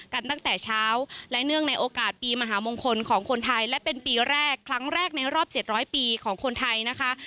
กันตั้งแต่เช้าและเนื่องในโอกาสปีมหามงคลของคนไทยและเป็นปีแรกครั้งแรกในรอบ๗๐๐ปีของคนไทยนะคะ